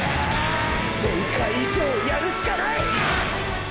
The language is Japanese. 全開以上をやるしかない！！